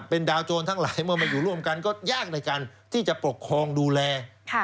เป็นดาวโจรทั้งหลายเมื่อมาอยู่ร่วมกันก็ยากในการที่จะปกครองดูแล